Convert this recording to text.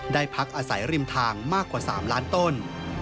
พักอาศัยริมทางมากกว่า๓ล้านต้น